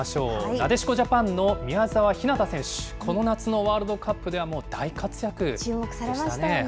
なでしこジャパンの宮澤ひなた選手、この夏のワールドカップでは、もう大活躍でしたね。